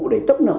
để tấp nợ